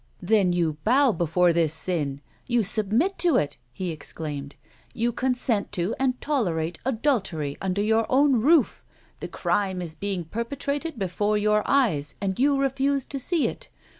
" Then you bow before this sin ! You submit to it !" he exclaimed. " You consent to and tolerate adultery under your own roof ! The crime is being perpetrated before your eyes, and you refuse to see it